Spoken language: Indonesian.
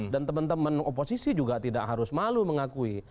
dan teman teman oposisi juga tidak harus malu mengakui